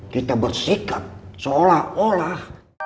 kita bersikap seolah olah